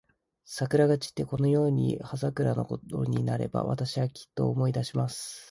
桜が散って、このように葉桜のころになれば、私は、きっと思い出します。